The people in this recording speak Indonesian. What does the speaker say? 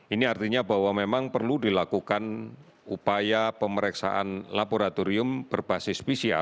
ini artinya bahwa memang perlu dilakukan upaya pemeriksaan laboratorium berbasis pcr